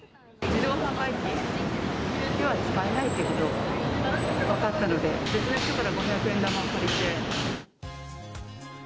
自動販売機では使えないっていうことが分かったので、別の人から五百円玉を借りて。